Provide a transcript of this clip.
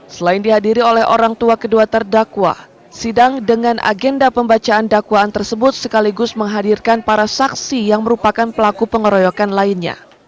selain dihadiri oleh orang tua kedua terdakwa sidang dengan agenda pembacaan dakwaan tersebut sekaligus menghadirkan para saksi yang merupakan pelaku pengeroyokan lainnya